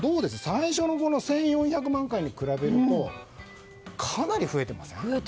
最初の１４００万回に比べるとかなり増えてませんか。